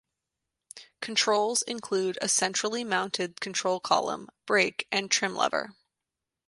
Controls include a centrally mounted control column, brake and trim lever.